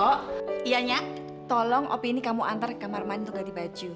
mbok iya nya tolong opi ini kamu antar ke kamar mainan untuk ganti baju